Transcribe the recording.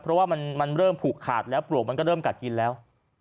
เพราะว่ามันเริ่มผูกขาดแล้วปลวกมันก็เริ่มกัดกินแล้ว